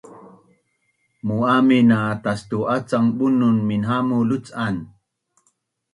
mu’amin na tastu’acang bunun minhamu luc’an